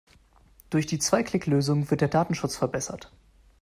Durch die Zwei-Klick-Lösung wird der Datenschutz verbessert.